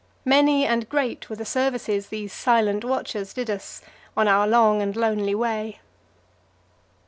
Many and great were the services these silent watchers did us on our long and lonely way.